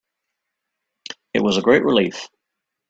It was a great relief